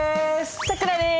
さくらです！